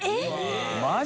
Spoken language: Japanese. マジ？